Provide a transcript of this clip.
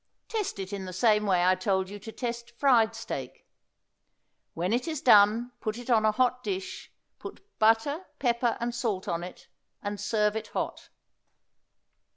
Test it in the same way I told you to test fried steak. When it is done put it on a hot dish; put butter, pepper and salt on it, and serve it hot.